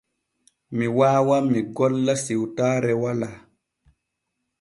Mi waawan mi golla siwtaare walaa.